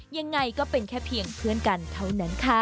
ยังไงก็เป็นแค่เพียงเพื่อนกันเท่านั้นค่ะ